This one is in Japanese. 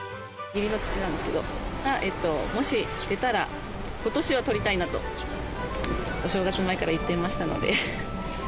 義理の父なんですけど、が、もし出たら、ことしはとりたいなと、お正月前から言っていましたので。